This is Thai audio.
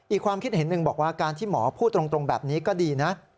ความคิดเห็นหนึ่งบอกว่าการที่หมอพูดตรงแบบนี้ก็ดีนะ